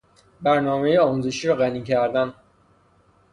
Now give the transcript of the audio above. برنامهی آموزشی را غنی کردن